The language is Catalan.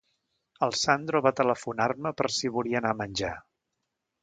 El Sandro va telefonar-me per si volia anar a menjar.